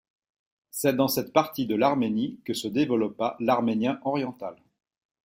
C'est dans cette partie de l'Arménie que se développa l'arménien oriental.